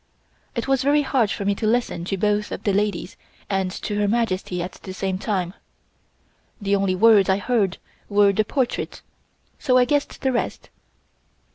It was very hard for me to listen to both of the ladies and to Her Majesty at the same time. The only words I heard were: "The portrait," so I guessed the rest.